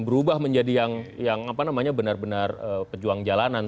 berubah menjadi yang benar benar pejuang jalanan